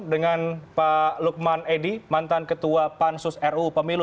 dengan pak lukman edi mantan ketua pansus ruu pemilu